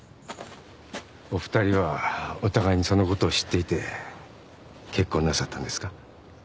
お二人はお互いにそのことを知っていて結婚なさったんですか？